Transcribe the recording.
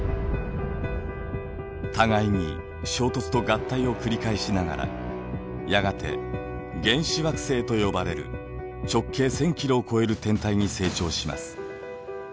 互いに衝突と合体を繰り返しながらやがて原始惑星と呼ばれる直径１，０００キロを超える天体に成長します。